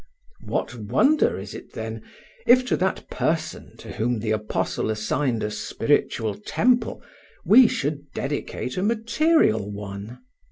What wonder is it, then, if to that Person to Whom the apostle assigned a spiritual temple we should dedicate a material one?